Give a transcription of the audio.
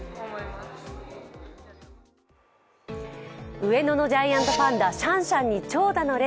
上野のジャイアントパンダ、シャンシャンに長蛇の列。